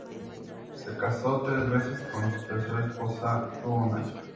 Se casó tres veces; con su tercera esposa tuvo una hija.